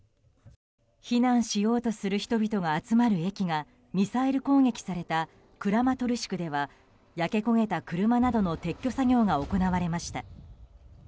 避難しようとする人々が集まる駅がミサイル攻撃されたクラマトルシクでは焼け焦げた車などの撤去作業が行われました。